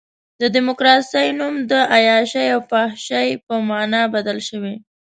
د ډیموکراسۍ نوم د عیاشۍ او فحاشۍ په معنی بدل شوی.